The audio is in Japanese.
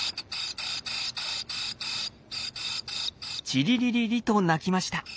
「チリリリリ」と鳴きました。